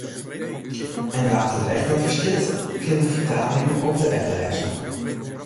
En wa’t it echt net ferstiet, kin de fertaling op de app lêze.